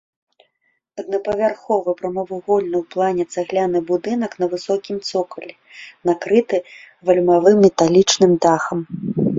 Аднапавярховы прамавугольны ў плане цагляны будынак на высокім цокалі, накрыты вальмавым металічным дахам.